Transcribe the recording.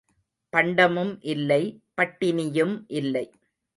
பண்டமும் இல்லை பட்டினியும் இல்லை.